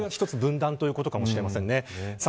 これは一つ分断ということかもしれません。